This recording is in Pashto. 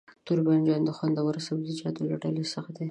توربانجان د خوندورو سبزيجاتو له ډلې څخه دی.